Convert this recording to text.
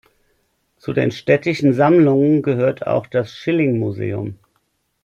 Zu den Städtischen Sammlungen gehörte auch das Schilling-Museum.